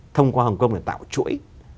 thông qua hồng kông để tạo chuỗi